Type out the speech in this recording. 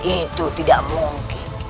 itu tidak mungkin